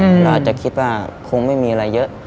เราอาจจะคิดว่าคงไม่มีอะไรเยอะ